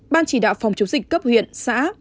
ban chỉ đạo phòng chống dịch cấp huyện xã